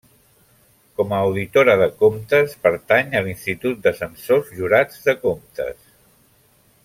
Com a auditora de comptes, pertany a l'Institut de Censors Jurats de Comptes.